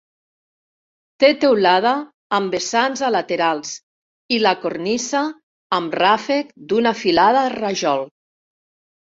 Té teulada amb vessants a laterals i la cornisa amb ràfec d’una filada de rajol.